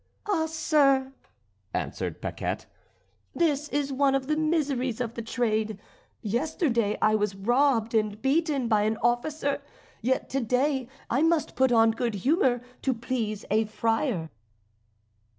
"Ah! sir," answered Paquette, "this is one of the miseries of the trade. Yesterday I was robbed and beaten by an officer; yet to day I must put on good humour to please a friar."